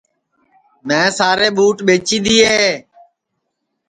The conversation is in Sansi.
میں سارے ٻُوٹ ٻیچی دؔیئے